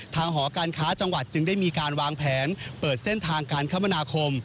หอการค้าจังหวัดจึงได้มีการวางแผนเปิดเส้นทางการคมนาคม